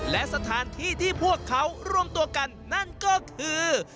และสถานที่ที่พวกเขารวมตัวกันนั่นก็คือ